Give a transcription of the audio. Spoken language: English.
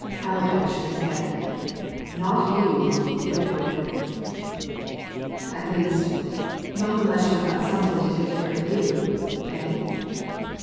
Allerdyke shook his head, "Not you!" he retorted. "At least not unless you've somebody to take care of you. Eh?"